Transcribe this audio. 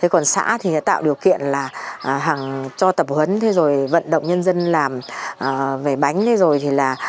còn xã thì tạo điều kiện là cho tập huấn vận động nhân dân làm về bánh